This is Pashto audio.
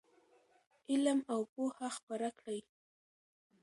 علم او پوهه خپره کړئ.